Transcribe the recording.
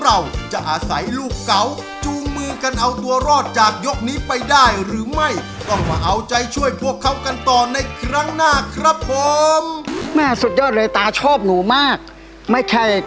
อายุแขกอันเซียซีอัลส่วนราเสภิค